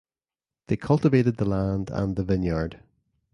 They cultivated the land and the vineyard.